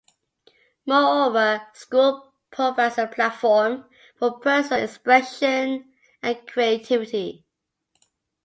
Moreover, school provides a platform for personal expression and creativity.